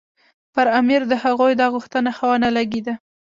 پر امیر د هغوی دا غوښتنه ښه ونه لګېده.